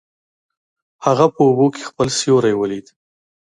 هغه په اوبو کې خپل سیوری ولید.